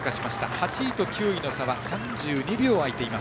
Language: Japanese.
８位と９位の差は３２秒開いています。